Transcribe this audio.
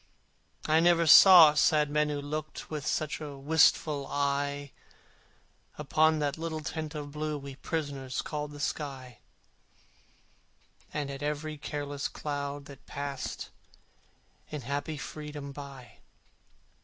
I never saw sad men who looked With such a wistful eye Upon that little tent of blue We prisoners called the sky, And at every happy cloud that passed In such strange freedom by.